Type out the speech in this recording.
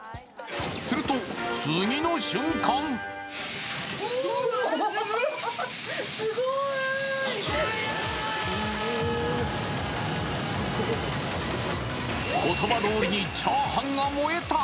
すると、次の瞬間言葉どおりにチャーハンが燃えた。